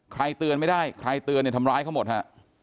ใครเตือนไม่ได้ใครเตือนทำร้ายเขาหมดค่ะ